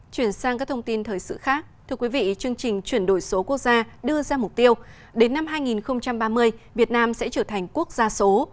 chuyển sang các thông tin thời sự khác thưa quý vị chương trình chuyển đổi số quốc gia đưa ra mục tiêu đến năm hai nghìn ba mươi việt nam sẽ trở thành quốc gia số